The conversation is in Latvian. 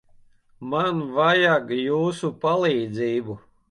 Man vajag jūsu palīdzību.